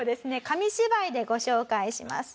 紙芝居でご紹介します。